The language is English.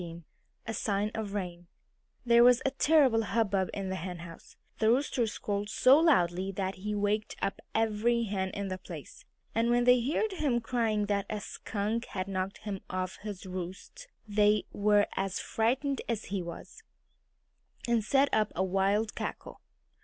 XVII A SIGN OF RAIN There was a terrible hubbub in the henhouse. The Rooster squalled so loudly that he waked up every hen in the place. And when they heard him crying that a skunk had knocked him off his roost they were as frightened as he was, and set up a wild cackle.